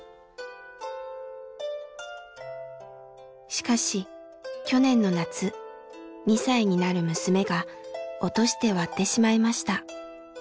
しかし去年の夏２歳になる娘が落として割ってしまいました。